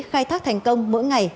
khai thác thành công mỗi ngày